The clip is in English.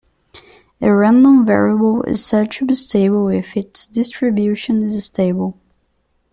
A random variable is said to be stable if its distribution is stable.